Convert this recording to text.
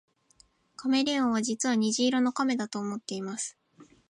カメレオンは実は虹色の亀だと思っています